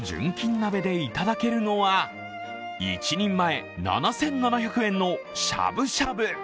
鍋で頂けるのは１人前７７００円のしゃぶしゃぶ。